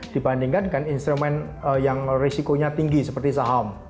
dibandingkan dengan instrumen yang risikonya tinggi seperti saham